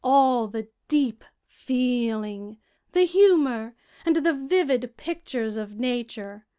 All the deep feeling, the humor, and the vivid pictures of nature.